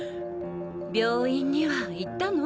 病院には行ったの？